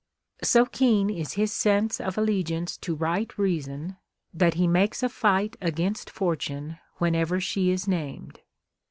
So keen is his sense of allegiance to right reason, that he makes a fight against Fortune whenever she is named.